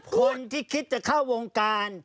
คนที่คิดจะเข้าวงการ